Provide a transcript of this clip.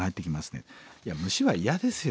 いや虫は嫌ですよ